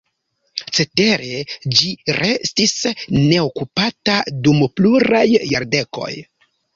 Cetere ĝi restis neokupata dum pluraj jardekoj.